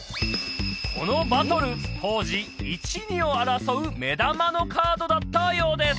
このバトル当時１２を争う目玉のカードだったようです